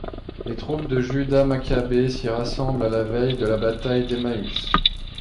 Les troupes de Judas Maccabée s'y rassemblent à la veille de la bataille d'Emmaüs.